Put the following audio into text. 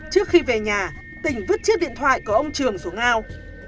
trước khi về nhà tỉnh vứt chiếc điện thoại của ông trường xuống ao